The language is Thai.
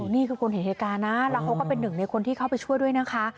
นี่คือคนเห็นเหตุการณ์นะแล้วเขาก็เป็นหนึ่งในคนที่เข้าไปช่วยด้วยนะคะ